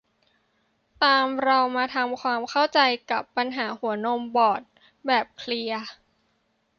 ตามเรามาทำความเข้าใจกับปัญหาหัวนมบอดแบบเคลียร์